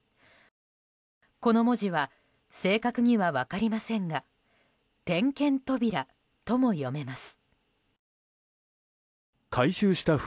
この文字は正確には分かりませんが点検扉とも読めます。